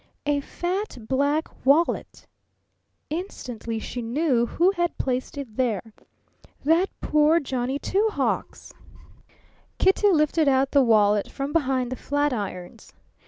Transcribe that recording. A fat black wallet! Instantly she knew who had placed it there. That poor Johnny Two Hawks! Kitty lifted out the wallet from behind the flatirons.